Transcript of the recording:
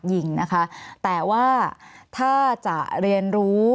มีความรู้สึกว่ามีความรู้สึกว่า